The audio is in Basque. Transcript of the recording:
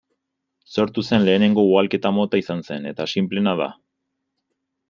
Sortu zen lehenengo ugalketa-mota izan zen, eta sinpleena da.